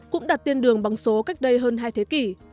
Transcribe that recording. cũng đặt tên đường bằng số cách đây hơn hai thế kỷ